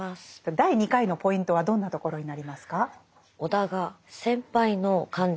第２回のポイントはどんなところになりますか？